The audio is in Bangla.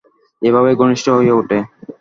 এভাবেই ঘনিষ্ঠ হয়ে ওঠে।